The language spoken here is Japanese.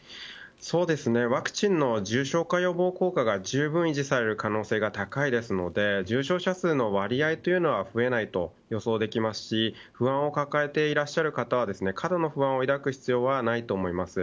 ワクチンの重症化予防効果がじゅうぶん維持される可能性が高いので、重症者数の割合は増えないと予想できますし不安を抱えていらっしゃる方は過度の不安を抱く必要ないと思います。